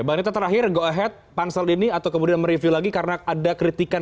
mbak neta terakhir go ahead pansel ini atau kemudian mereview lagi karena ada kritikan